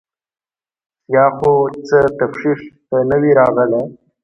سیاح خو څه تفتیش ته نه وي راغلی.